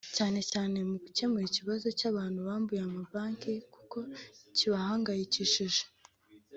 cyane cyane mu gukemura ikibazo cyabantu bambuye ama Banki kuko kibahangayikishije